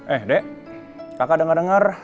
eh dek kakak denger denger